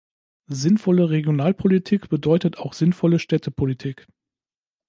Sinnvolle Regionalpolitik bedeutet auch sinnvolle Städtepolitik.